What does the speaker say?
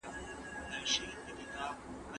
موږ د انټرنیټ له لارې خپله پوهه تازه ساتو.